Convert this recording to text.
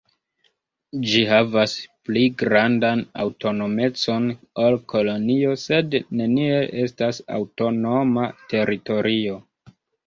Ĝi havas pli grandan aŭtonomecon ol kolonio, sed neniel estas aŭtonoma teritorio.